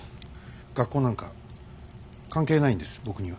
学校なんか関係ないんです僕には。